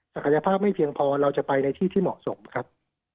ศักยภาพไม่เพียงพอเราจะไปในที่ที่เหมาะสมครับ